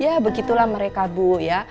ya begitulah mereka bu ya